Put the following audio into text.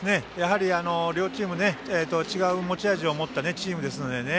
両チーム、違う持ち味を持ったチームですのでね。